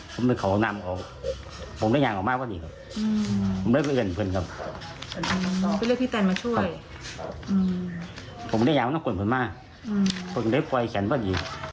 พอมาถึงเขาก็เลยปล่อย